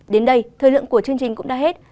đến đây thời lượng của chương trình cũng đã hết